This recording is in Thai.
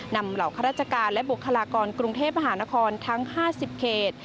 เหล่าข้าราชการและบุคลากรกรุงเทพมหานครทั้ง๕๐เขต